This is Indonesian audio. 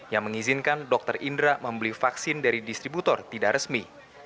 yang mengizinkan dr indra membeli vaksin dari distributor tidak resmi